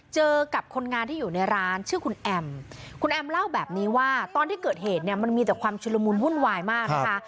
เจอกับคนงานที่อยู่ในร้านชื่อคุณแอมคุณแอมเล่าแบบนี้ว่าตอนที่เกิดเหตุเนี่ยมันมีแต่ความชุลมุนวุ่นวายมากนะคะ